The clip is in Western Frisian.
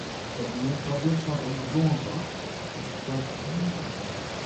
Dat iene foarbyld seit ommers gâns wat, it fertelt it hiele ferhaal.